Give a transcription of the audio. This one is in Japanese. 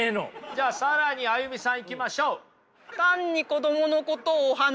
じゃあ更にＡＹＵＭＩさんいきましょう！